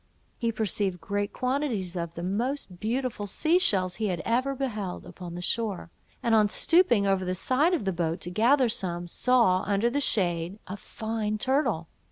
He perceived great quantities of the most beautiful sea shells he had ever beheld, upon the shore; and on stooping over the side of the boat to gather some, saw, under the shade, a fine turtle.